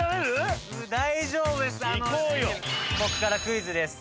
僕からクイズです。